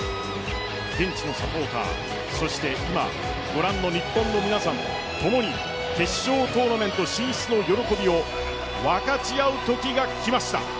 現地のサポーター、そして今ご覧の日本の皆さんと共に決勝トーナメント進出の喜びを分かち合うときが来ました。